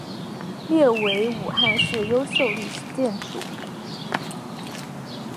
列为武汉市优秀历史建筑。